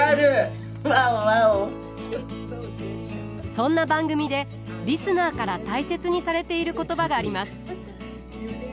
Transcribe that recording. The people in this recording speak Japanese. そんな番組でリスナーから大切にされている言葉があります。